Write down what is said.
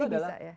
jadi bisa ya